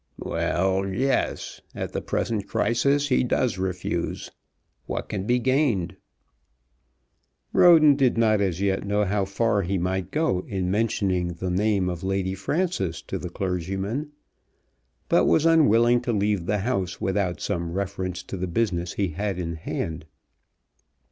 "Well; yes. At the present crisis he does refuse. What can be gained?" Roden did not as yet know how far he might go in mentioning the name of Lady Frances to the clergyman, but was unwilling to leave the house without some reference to the business he had in hand.